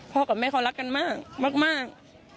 พ่อกับแม็กซ์เขารักกันมาก